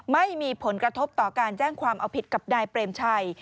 ไม่มีผลกระทบต่อการแจ้งความเอาผิดกับนายเปรมชัย